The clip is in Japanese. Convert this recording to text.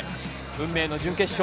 運命の準決勝。